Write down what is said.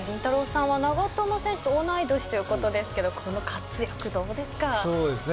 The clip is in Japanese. さんは長友選手と同い年ということですけどこの活躍どうですか。